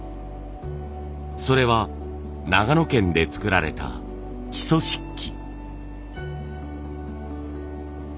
それは長野県で作られた木曽漆器。